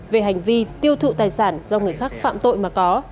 về hành vi tiêu thụ tài sản do người khác phạm tội mà có